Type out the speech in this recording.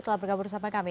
telah berkabur bersama kami